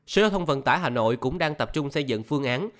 sở thông vận tải hà nội cũng đang tập trung xây dựng phương án